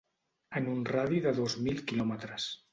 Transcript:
En un radi de dos mil quilòmetres